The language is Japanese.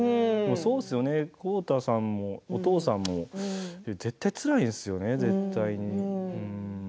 そうですよね、浩太さんもお父さんも絶対つらいんですよね絶対に。